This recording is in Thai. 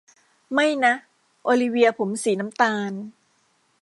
ไม่นะ โอลิเวียผมสีน้ำตาล